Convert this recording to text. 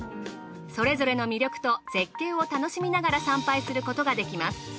それぞれの魅力と絶景を楽しみながら参拝することができます。